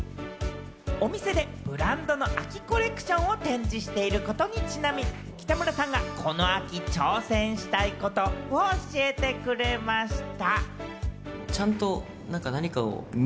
お店でブランドの秋コレクションを展示していることにちなみ、北村さんがこの秋に挑戦したいことを教えてくれました。